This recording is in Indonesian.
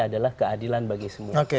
adalah keadilan bagi semua